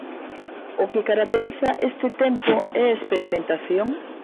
O que caracteriza este tempo é a experimentación?